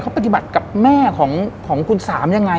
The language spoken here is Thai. เขาปฏิบัติกับแม่ของคุณสามยังไง